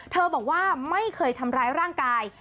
บอกว่าไม่เคยทำร้ายร่างกาย